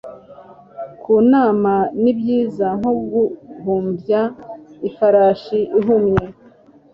Kunama ni byiza nko guhumbya ifarashi ihumye.